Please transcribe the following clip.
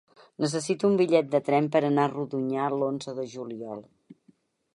Necessito un bitllet de tren per anar a Rodonyà l'onze de juliol.